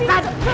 bang siapa sih